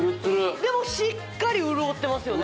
でもしっかり潤ってますよね